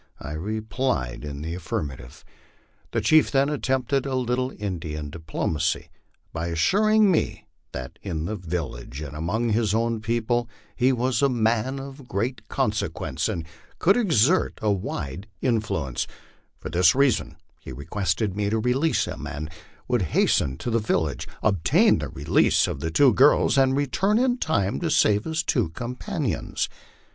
I replied in the affirmative. The chief then at tempted a little Indian diplomacy, by assuring me that in the village and among his own people he was a man of great consequence, and could exert a wide influence; for this reason he requested me to release him, and he would hasten to the village, obtain the release of the two girls, and return in time to save his two companions.